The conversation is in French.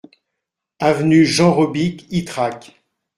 Avenue Jean Robic, Ytrac